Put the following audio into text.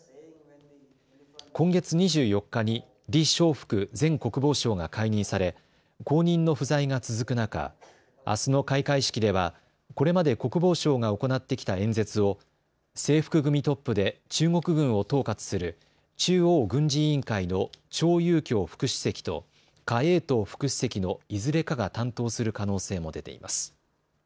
今月２４日に李尚福前国防相が解任され後任の不在が続く中、あすの開会式ではこれまで国防相が行ってきた演説を制服組トップで中国軍を統括する中央軍事委員会の張又侠副主席と何衛東副主席のいずれかが担当する可能性も出ています。